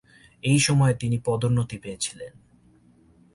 এই সময়ে তিনি পদোন্নতি পেয়েছিলেন।